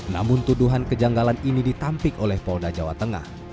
namun tuduhan kejanggalan ini ditampik oleh polda jawa tengah